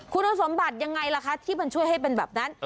คุณสมบัติยังไงล่ะคะที่มันช่วยให้เป็นแบบนั้น